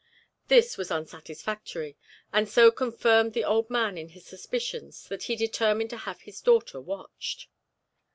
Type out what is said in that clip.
This was unsatisfactory, and so confirmed the old man in his suspicions that he determined to have his daughter watched.